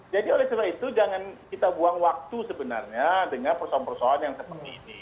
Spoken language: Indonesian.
jadi oleh sebab itu jangan kita buang waktu sebenarnya dengan persoalan persoalan yang seperti ini